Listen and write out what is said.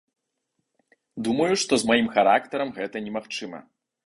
Думаю, што з маім характарам гэта немагчыма.